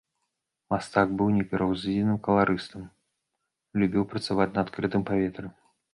Мастак быў непераўзыдзеным каларыстам, любіў працаваць на адкрытым паветры.